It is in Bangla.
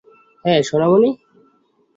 হ্যাঁ, সোনামণি?